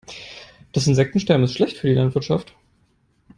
Das Insektensterben ist schlecht für die Landwirtschaft.